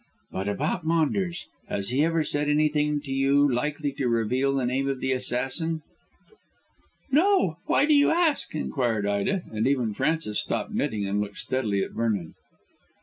"But about Maunders; has he ever said anything to you likely to reveal the name of the assassin?" "No. Why do you ask?" inquired Ida, and even Frances stopped knitting to look steadily at Vernon.